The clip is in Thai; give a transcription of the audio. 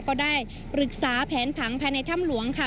ก็ได้ปรึกษาแผนผังภายในถ้ำหลวงค่ะ